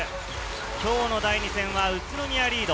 今日の第２戦は宇都宮リード。